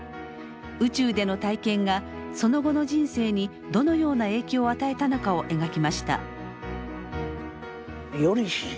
宇宙での体験がその後の人生にどのような影響を与えたのかを描きました。